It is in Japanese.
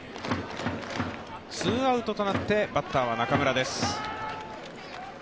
ツーアウトとなってバッターは中村です。